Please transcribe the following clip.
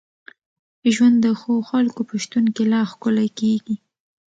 ژوند د ښو خلکو په شتون کي لا ښکلی کېږي.